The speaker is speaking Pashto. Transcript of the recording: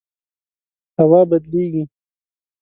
هوا بدلیږي